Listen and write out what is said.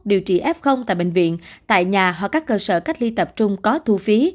điều trị f tại bệnh viện tại nhà hoặc các cơ sở cách ly tập trung có thu phí